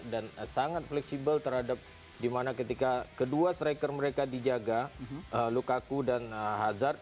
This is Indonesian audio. dan sangat fleksibel terhadap di mana ketika kedua striker mereka dijaga lukaku dan hazard